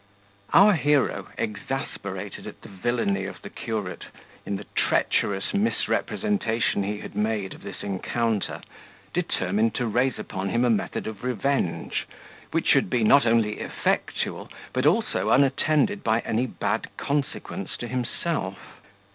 Our hero, exasperated at the villainy of the curate, in the treacherous misrepresentation he had made of this encounter, determined to rise upon him a method of revenge, which should be not only effectual but also unattended any bad consequence to himself.